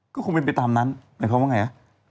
ก็คงเป็นไปตามนั้นหมายความว่าไงฮะ